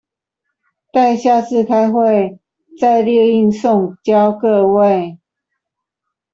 待下次開會再列印送交各位